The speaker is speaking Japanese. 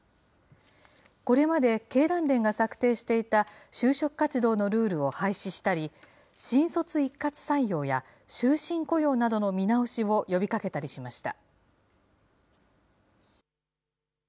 これまで経団連が策定していた就職活動のルールを廃止したり、新卒一括採用や終身雇用などの見直しを呼びかけたりしました。